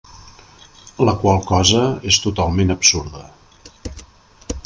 La qual cosa és totalment absurda.